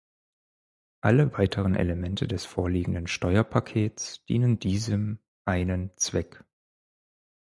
Alle weiteren Elemente des vorliegenden Steuerpakets dienen diesem einen Zweck.